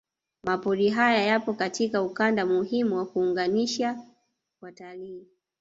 Mapori haya yapo katika ukanda muhimu wa kuunganisha watalii